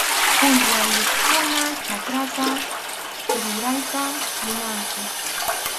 Uywayuqkuna chakrata rurayta munanku.